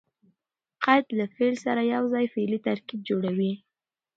قید له فعل سره یوځای فعلي ترکیب جوړوي.